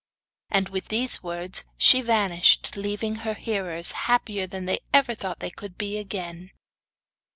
And with these words she vanished, leaving her hearers happier than they ever thought they could be again.